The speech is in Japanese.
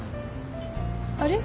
あれ？